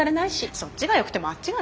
そっちがよくてもあっちがね。